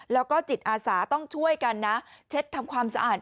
แล้วก็จิตอาสาต้องช่วยกันนะเช็ดทำความสะอาด